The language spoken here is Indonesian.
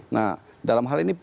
nah dalam hal ini